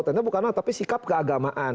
ternyata bukanlah tapi sikap keagamaan